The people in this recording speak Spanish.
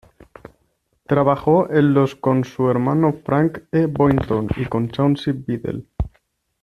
Trabajó en los con su hermano Franck E. Boynton, y con Chauncey Beadle.